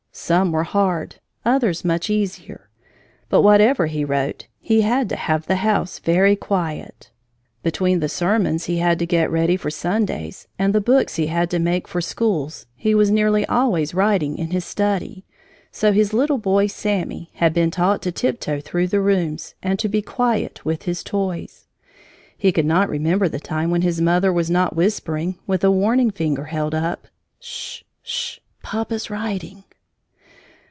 Some were hard, others much easier. But whatever he wrote, he had to have the house very quiet. Between the sermons he had to get ready for Sundays and the books he had to make for schools, he was nearly always writing in his study, so his little boy "Sammy" had been taught to tiptoe through the rooms and to be quiet with his toys. He could not remember the time when his mother was not whispering, with a warning finger held up, "Sh Sh Papa's writing!"